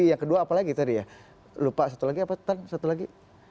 yang kedua apalagi tadi ya lupa satu lagi apa tan satu lagi